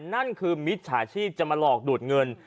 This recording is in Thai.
นั่นคือมิจฉาชีพจะมาหลอกดูดเงิน